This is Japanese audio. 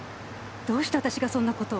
どうして私がそんな事を？